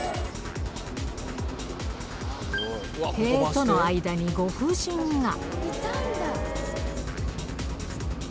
塀との間にご婦人が。